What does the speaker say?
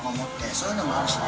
そういうのもあるしね。